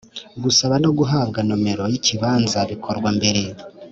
Gusaba no guhabwa nomero y’ikibanza bikorwa mbere